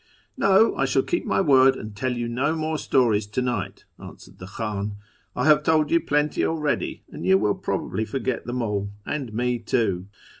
"No, I shall keep my word and tell you no more stories to night," answered the Khan. " I have told you plenty already, and you will probably forget them all, and me too.